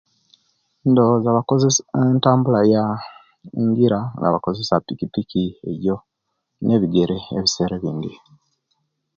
Ndowoza bakozesia entambula ya ngira nga bakozesia pikipiki ejo nebigere ebisera ebindi